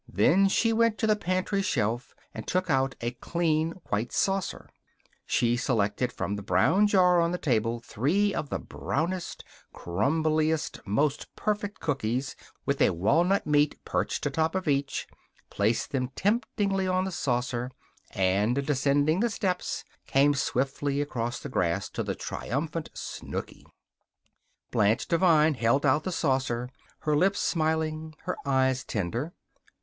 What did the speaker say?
Then she went to the pantry shelf and took out a clean white saucer. She selected from the brown jar on the table three of the brownest, crumbliest, most perfect cookies, with a walnut meat perched atop of each, placed them temptingly on the saucer and, descending the steps, came swiftly across the grass to the triumphant Snooky. Blanche Devine held out the saucer, her lips smiling, her eyes tender.